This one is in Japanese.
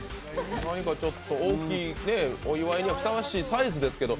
大きい、お祝いにはふさわしいサイズですけど。